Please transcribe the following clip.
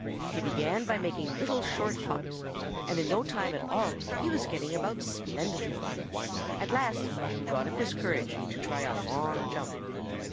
He began by making little short hops, and in no time at all he was getting about splendidly. At last he got up his courage to try a long jump.